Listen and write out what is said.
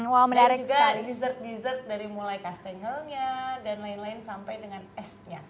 dan juga dessert dessert dari mulai kastengelnya dan lain lain sampai dengan esnya